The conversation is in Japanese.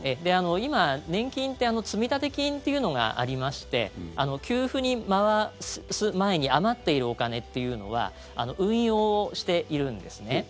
今、年金って積立金っていうのがありまして給付に回す前に余っているお金っていうのは運用をしているんですね。